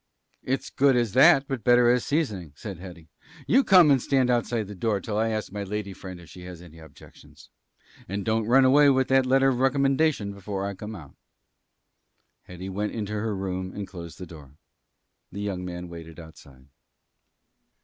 "It's good as that, but better as seasoning," said Hetty. "You come and stand outside the door till I ask my lady friend if she has any objections. And don't run away with that letter of recommendation before I come out." Hetty went into her room and closed the door. The young man waited outside.